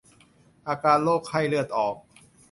อาการโรคไข้เลือดออก